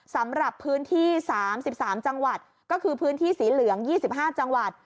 สำหรับพื้นที่๓๓จังหวัดก็คือพื้นที่สีเหลือง๒๕จังหวัด